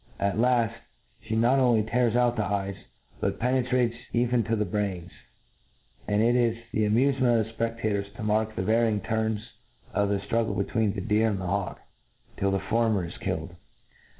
At laft, flic not only tears out the eyes, but penetrates even to the brains ; and it is the amufcment of thefpeftators to mark the varying turns of the ftruggle be tween the deer and the hawk, till the former is killed.